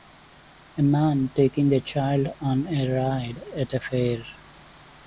A man taking a child on a ride at a fair.